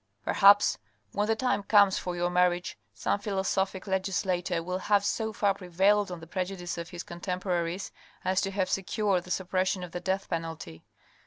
Perhaps when the time comes for your marriage, some philosophic legislator will have so far prevailed on the prejudice of his contemporaries as to have secured the suppression of the death penalty.